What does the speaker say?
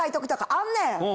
あんねん！